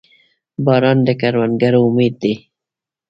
• باران د کروندګرو امید دی.